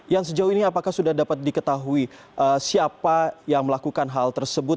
yang sejauh ini apakah sudah dapat diketahui siapa yang melakukan hal tersebut